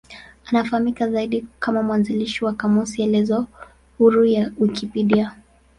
Anafahamika zaidi kama mwanzilishi wa kamusi elezo huru ya Wikipedia.